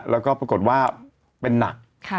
แล้วก็ปรากฏว่าเป็นหนัก